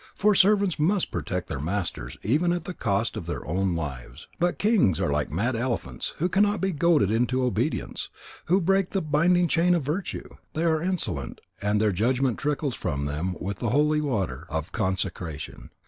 For servants must protect their masters even at the cost of their own lives. But kings are like mad elephants who cannot be goaded into obedience, who break the binding chain of virtue. They are insolent, and their judgment trickles from them with the holy water of consecration.